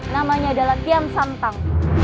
namanya adalah tian shantang